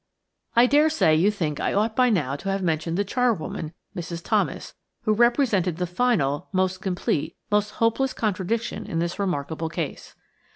I dare say you think I ought by now to have mentioned the charwoman, Mrs. Thomas, who represented the final, most complete, most hopeless contradiction in this remarkable case.